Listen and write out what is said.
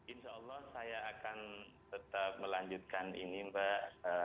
insya allah saya akan tetap melanjutkan ini mbak